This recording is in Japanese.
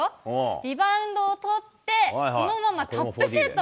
リバウンドを取って、そのままタップシュート。